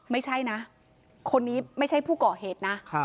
ไม่ใช่นะคนนี้ไม่ใช่ผู้ก่อเหตุนะ